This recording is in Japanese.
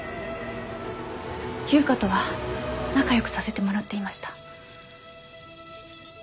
悠香とは仲良くさせてもらっていました。